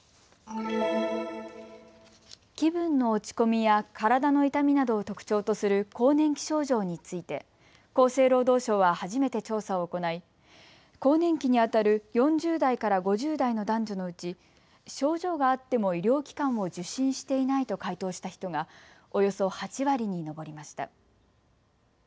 気分の落ち込みや体の痛みなどを特徴とする更年期症状について厚生労働省は初めて調査を行い更年期にあたる４０代から５０代の男女のうち症状があっても医療機関を受診していないと回答した人がおよそ８割に上りました。